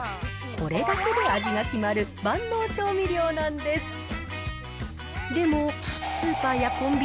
これだけで味が決まる万能調味料なんです。